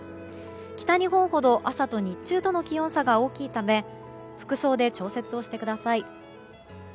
北日本ほど朝と日中との気温差が大きいため服装で調節をしてください。